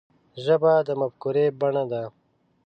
ژبه د مفکورې بڼه ده